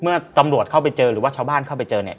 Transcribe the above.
เมื่อตำรวจเข้าไปเจอหรือว่าชาวบ้านเข้าไปเจอเนี่ย